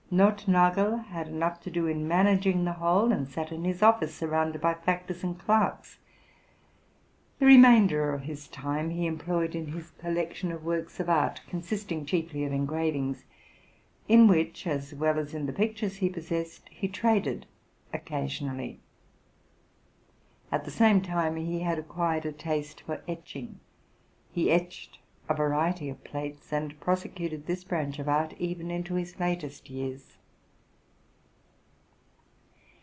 Noth nagel had enough to do in managing the whole, and sat in his office surrounded by factors and clerks. The remainder of his time he employed in his collection of works of art, consisting chiefly of engravings, in which, as well as in the pictures he possessed, he traded occasionally. At the same time he had acquired a taste for etching: he etched a variety of plates, and prosecuted this branch of art even into his latest years.